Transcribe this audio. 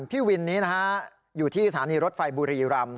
พี่วินนี้นะฮะอยู่ที่สถานีรถไฟบุรีรำ